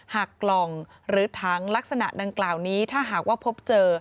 กล่องหรือถังลักษณะดังกล่าวนี้ถ้าหากว่าพบเจอ